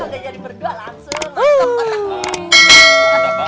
gak jadi berdua langsung